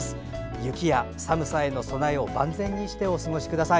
雪や寒さへの備えを万全にしてお過ごしください。